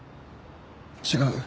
違う。